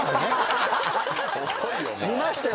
見ましたよ